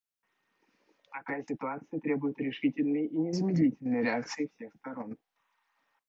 Такая ситуация требует решительной и незамедлительной реакции всех сторон.